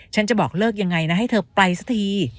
จะบอกเลิกยังไงนะให้เธอไปสักที